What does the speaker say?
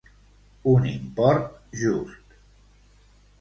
Un import just.